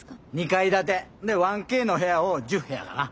２階建て。で１Ｋの部屋を１０部屋かな。